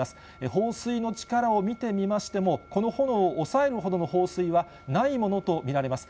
放水の力を見てみましても、この炎を抑えるほどの放水はないものと見られます。